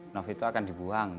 nov itu akan dibuang